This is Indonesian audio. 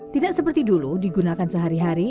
tidak seperti dulu digunakan sehari hari